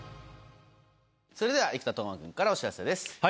それでは生田斗真くんからお知らせです。